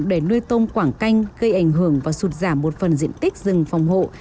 để nuôi tôm quảng canh gây ảnh hưởng và sụt giảm một phần diện tích rừng phòng hộ